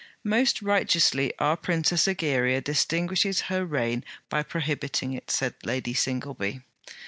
'Most righteously our Princess Egeria distinguishes her reign by prohibiting it,' said Lady Singleby.